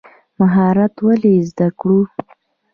مهارت ولې زده کړو؟